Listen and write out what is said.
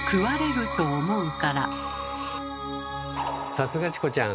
さすがチコちゃん。